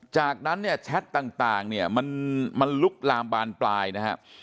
จากนั้นแคทต่างมันลุกลามปลานไปนะครับ